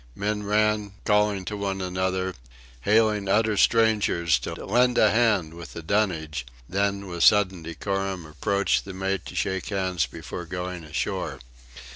Men ran, calling to one another, hailing utter strangers to "lend a hand with the dunnage," then with sudden decorum approached the mate to shake hands before going ashore.